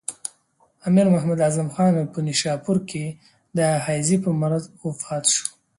امیر محمد اعظم خان په نیشاپور کې د هیضې په مرض وفات شو.